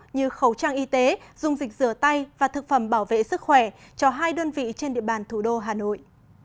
như khẩu trang y tế dung dịch rửa tay và thực phẩm bảo vệ sức khỏe cho hai đơn vị trên địa bàn thủ đô hà nội